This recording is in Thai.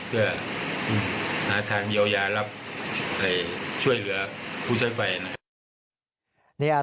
ก็หาทางยาวรับช่วยเหลือผู้ใช้ไฟนะครับ